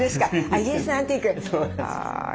イギリスのアンティーク。